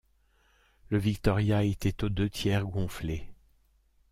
Le Victoria était aux deux tiers gonflé.